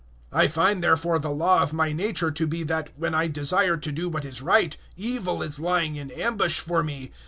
007:021 I find therefore the law of my nature to be that when I desire to do what is right, evil is lying in ambush for me.